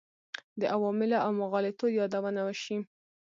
د عواملو او مغالطو یادونه وشي.